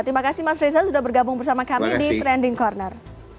terima kasih mas reza sudah bergabung bersama kami di trending corner